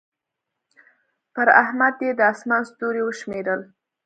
پر احمد يې د اسمان ستوري وشمېرل.